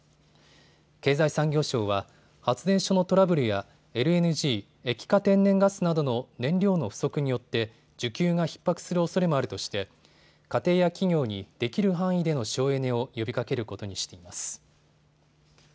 経済産業省は発電所のトラブルやＬＮＧ・液化天然ガスなどの燃料の不足によって需給がひっ迫するおそれもあるとして家庭や企業にできる範囲での省エネを呼びかけることにしています。